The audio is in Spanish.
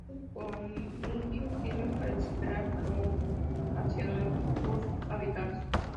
Los conidios sirven para dispersar al hongo hacia nuevos hábitats.